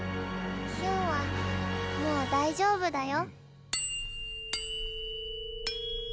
ヒュンはもう大丈夫だよ。